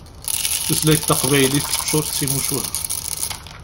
Tutlayt taqbaylit teččur d timucuha.